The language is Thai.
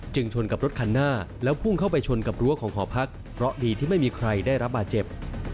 ชนกับรถคันหน้าแล้วพุ่งเข้าไปชนกับรั้วของหอพักเพราะดีที่ไม่มีใครได้รับบาดเจ็บ